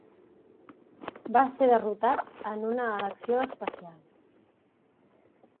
Va ser derrotat en una elecció especial.